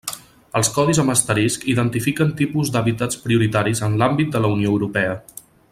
Els codis amb asterisc identifiquen tipus d'hàbitats prioritaris en l'àmbit de la Unió Europea.